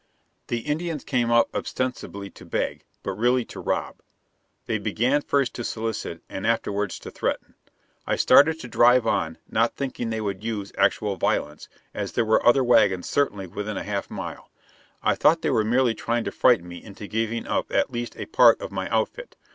The Indians came up ostensibly to beg, but really to rob. They began first to solicit, and afterwards to threaten. I started to drive on, not thinking they would use actual violence, as there were other wagons certainly within a half mile. I thought they were merely trying to frighten me into giving up at least a part of my outfit.